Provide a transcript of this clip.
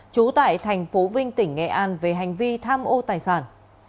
trú tại thành phố vinh tỉnh nghệ an về hành vi tham ô tài sản